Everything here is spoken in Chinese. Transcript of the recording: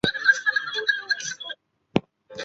在的代理作品中的甲田写作。